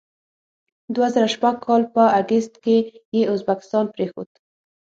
دوه زره شپږ کال په اګست کې یې ازبکستان پرېښود.